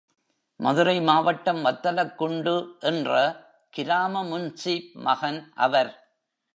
மதுரை மாவட்டம் வத்தலக்குண்டு என்ற கிராம முன்சீப் மகன் அவர்!